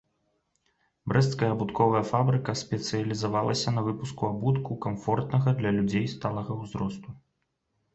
Брэсцкая абутковая фабрыка спецыялізавалася на выпуску абутку камфортнага для людзей сталага ўзросту.